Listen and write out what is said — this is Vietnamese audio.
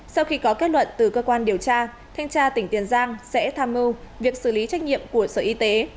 sau khi có kết luận từ cơ quan điều tra thanh tra tỉnh tiền giang sẽ tham mưu việc xử lý trách nhiệm của sở y tế